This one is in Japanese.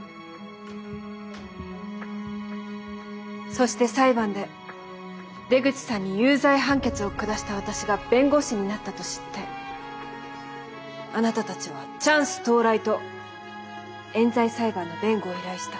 そして裁判で出口さんに有罪判決を下した私が弁護士になったと知ってあなたたちはチャンス到来と冤罪裁判の弁護を依頼した。